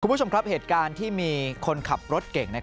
คุณผู้ชมครับเหตุการณ์ที่มีคนขับรถเก่ง